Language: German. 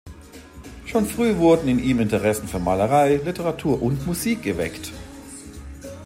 Schon früh wurden in ihm Interessen für Malerei, Literatur und Musik geweckt.